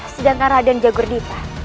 sedangkan raden jagurdipa